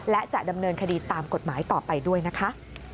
และจะดำเนินคดีตามกฎหมายต่อไปด้วยนะคะ